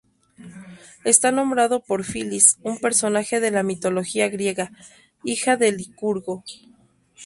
Está nombrado por Filis, un personaje de la mitología griega, hija de Licurgo.